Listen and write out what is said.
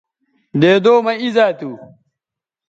دیدو مہ اِیزا تھو